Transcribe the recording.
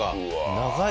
長い。